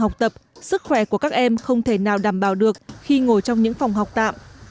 học tập sức khỏe của các em không thể nào đảm bảo được khi ngồi trong những phòng học tạm